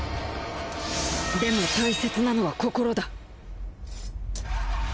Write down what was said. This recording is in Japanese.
でも大切なのは心だ。